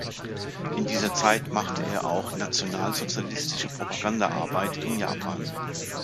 In dieser Zeit machte er auch nationalsozialistische Propagandaarbeit in Japan.